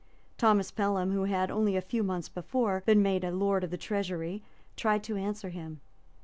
Thomas Pelham, who had, only a few months before, been made a Lord of the Treasury, tried to answer him.